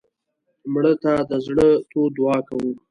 مړه ته د زړه تود دعا کوو